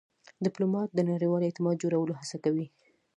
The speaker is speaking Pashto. ډيپلومات د نړیوال اعتماد جوړولو هڅه کوي.